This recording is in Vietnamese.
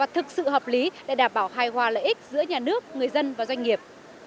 tự hợp lý để đảm bảo hài hòa lợi ích giữa nhà nước người dân và doanh nghiệp